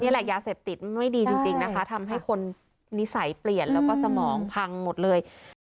ยาเสพติดไม่ดีจริงนะคะทำให้คนนิสัยเปลี่ยนแล้วก็สมองพังหมดเลย